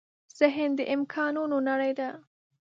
ذهن د امکانونو نړۍ ده.